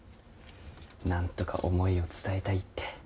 なんとか思いを伝えたいって。